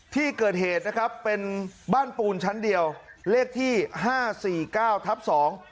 ที่เกิดเหตุนะครับเป็นบ้านปูนชั้นเดียวเลขที่ห้าสี่เก้าทับสอง